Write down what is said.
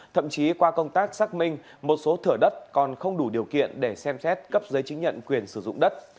thậm chí qua công tác xác minh một số thửa đất còn không đủ điều kiện để xem xét cấp giấy chứng nhận quyền sử dụng đất